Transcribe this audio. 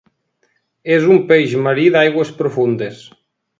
És un peix marí d'aigües profundes.